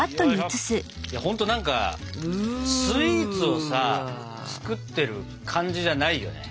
ほんと何かスイーツをさ作ってる感じじゃないよね。